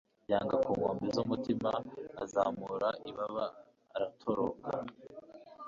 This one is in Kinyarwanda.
Yanga ku nkombe zumutima azamura ibaba aratoroka